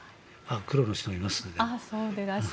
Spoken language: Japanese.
黒の人もいますね。